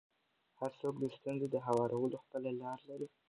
هر څوک د ستونزو د هوارولو خپله لاره لري.